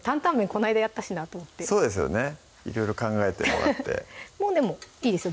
こないだやったしなと思っていろいろ考えてもらってもうでもいいですよ